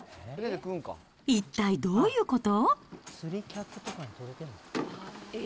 一体どういうこと？